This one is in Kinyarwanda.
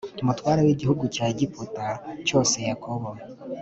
mutware w igihugu cya Egiputa cyose Yakobo